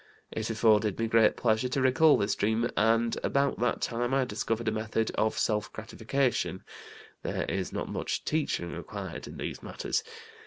It afforded me great pleasure to recall this dream, and about that time I discovered a method of self gratification (there is not much 'teaching' required in these matters!).